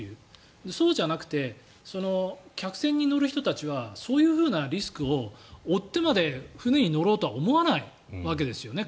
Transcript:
でもそうじゃなくて客船に乗る人はそういうふうなリスクを負ってまで船に乗ろうとは思わないわけですよね